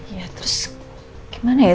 ya terus gimana ya